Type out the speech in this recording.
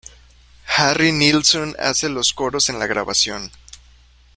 Harry Nilsson hace los coros en la grabación.